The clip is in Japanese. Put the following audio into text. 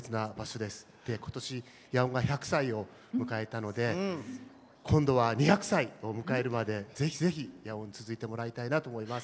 今年野音が１００歳を迎えたので今度は２００歳を迎えるまでぜひぜひ野音続いてもらいたいなと思います。